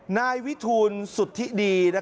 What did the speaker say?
นายวิทูลสุทธิดี